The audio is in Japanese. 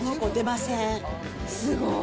すごい。